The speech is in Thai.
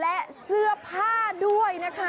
และเสื้อผ้าด้วยนะคะ